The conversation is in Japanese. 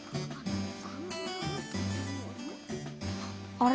あれ？